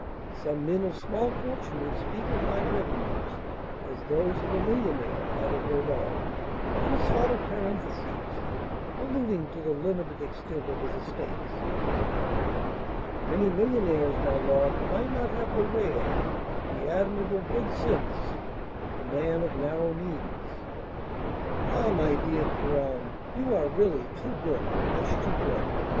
Some men of small fortune would speak of my revenues as those of a millionaire," added Rodolph, in a sort of parenthesis, alluding to the limited extent of his estates. "And many millionaires, my lord, might not have the rare, the admirable good sense, of the man of narrow means." "Ah, my dear De Graün, you are really too good, much too good!